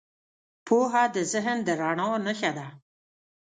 پوهه د ذهن د رڼا نښه ده.